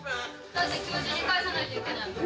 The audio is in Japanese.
だって今日中に返さないといけないもん。